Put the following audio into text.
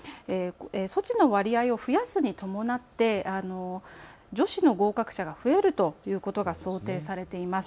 措置の割合を増やすに伴って女子の合格者が増えるということが想定されています。